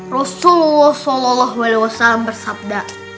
rasulullah saw bersabda